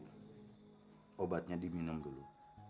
bu obatnya diminum dulu